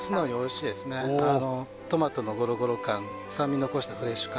トマトのごろごろ感酸味残したフレッシュ感